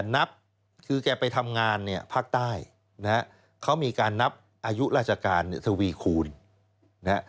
นับคือแกไปทำงานภาคใต้เขามีการนับอายุราชการ๓คูณ